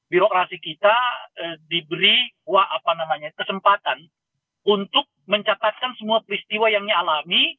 birokrasi kita diberi kesempatan untuk mencatatkan semua peristiwa yang dia alami